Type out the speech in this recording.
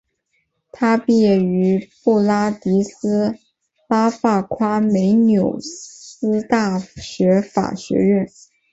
他毕业于布拉迪斯拉发夸美纽斯大学法学院。